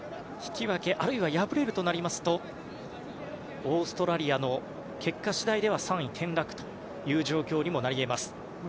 引き分け、あるいは敗れるとなりますとオーストラリアの結果次第では３位転落という状況にもなり得ます。